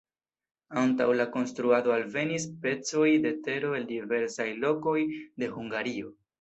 Antaŭ la konstruado alvenis pecoj de tero el diversaj lokoj de Hungario.